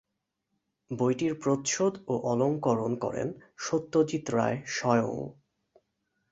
বইটির প্রচ্ছদ ও অলংকরণ করেন সত্যজিৎ রায় স্বয়ং।